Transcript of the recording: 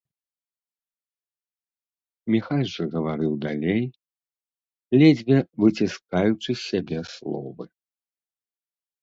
Міхась жа гаварыў далей, ледзьве выціскаючы з сябе словы.